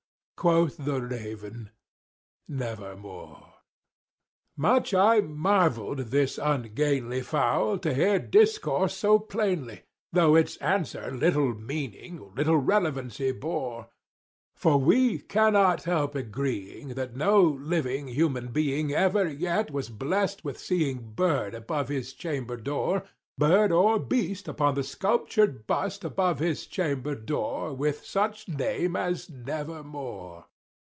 Quoth the raven "Nevermore." Much I marvelled this ungainly fowl to hear discourse so plainly, Though its answer little meaning—little relevancy bore; For we cannot help agreeing that no living human being Ever yet was blessed with seeing bird above his chamber door— Bird or beast upon the sculptured bust above his chamber door, With such name as "Nevermore."